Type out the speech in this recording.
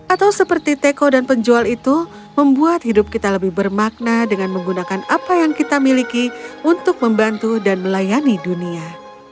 atau seperti teko dan penjual itu membuat hidup kita lebih bermakna dengan menggunakan apa yang kita miliki untuk membantu dan melayani dunia